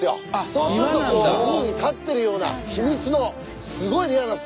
そうするとこう海に立ってるような秘密のすごいレアなスポットでございます。